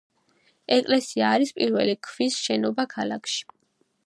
ეკლესია არის პირველი ქვის შენობა ქალაქში.